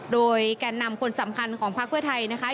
โดยแก่นำคนสำคัญของพักเพื่อไทยนะคะ